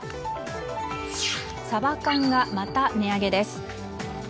サバ缶がまた値上げです。